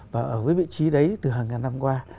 và ở với vị trí đấy từ hàng ngàn năm qua